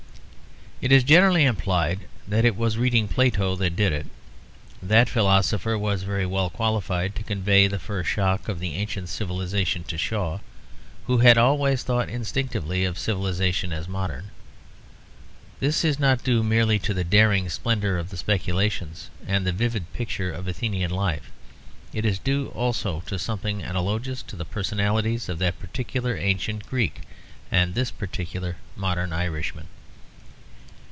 It is generally implied that it was reading Plato that did it. That philosopher was very well qualified to convey the first shock of the ancient civilisation to Shaw, who had always thought instinctively of civilisation as modern. This is not due merely to the daring splendour of the speculations and the vivid picture of Athenian life, it is due also to something analogous in the personalities of that particular ancient Greek and this particular modern Irishman.